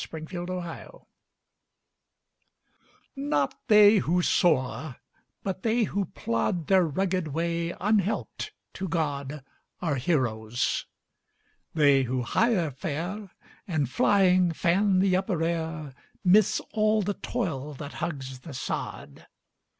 NOT THEY WHO SOAR Not they who soar, but they who plod Their rugged way, unhelped, to God Are heroes; they who higher fare, And, flying, fan the upper air, Miss all the toil that hugs the sod.